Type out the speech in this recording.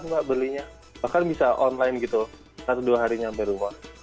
ini juga bisa mbak belinya bahkan bisa online gitu satu dua harinya sampai rumah